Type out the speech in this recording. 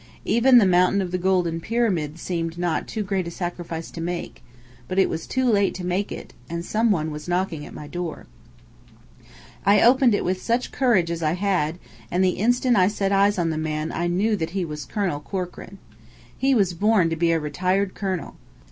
Even the Mountain of the Golden Pyramid seemed not too great a sacrifice to make but it was too late to make it and some one was knocking at my door. I opened it with such courage as I had; and the instant I set eyes on the man I knew that he was Colonel Corkran. He was born to be a retired colonel.